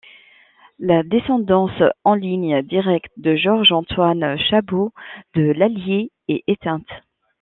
La descendance en ligne directe de Georges Antoine Chabot de L'Allier est éteinte.